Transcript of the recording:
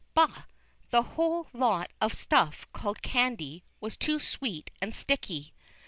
Bah! the whole lot of stuff called "candy" was too sweet and sticky.